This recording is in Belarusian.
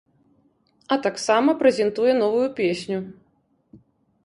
А таксама прэзентуе новую песню.